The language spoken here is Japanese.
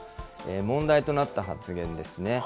問題となった発言ですね。